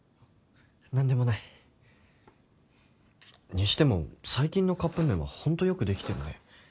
何でもない。にしても最近のカップ麺はホントよくできてるね。